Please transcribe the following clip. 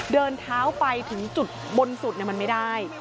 เดินเท้าไปถึงจุดบนสุดมันไม่ได้